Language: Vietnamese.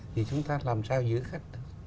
thì chúng ta làm sao giữ khách